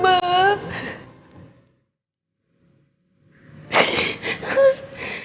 mama aku gak bisa tidur